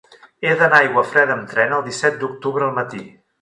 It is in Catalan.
He d'anar a Aiguafreda amb tren el disset d'octubre al matí.